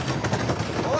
おい。